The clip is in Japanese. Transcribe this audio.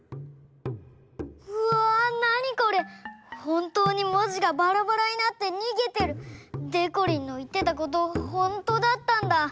ほんとうに文字がバラバラになってにげてる。でこりんのいってたことほんとだったんだ。